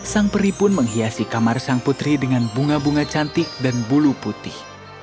sang peri pun menghiasi kamar sang putri dengan bunga bunga cantik dan bulu putih